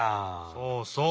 そうそう。